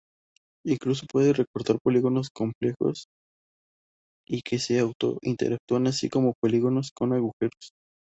Incluso puede recortar polígonos complejos y que se auto-intersectan así como polígonos con agujeros.